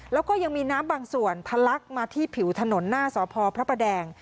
แล้วก็ยังมีน้ำบางส่วนทะลักมาที่ผิวถนนหน้าสพพระประแดง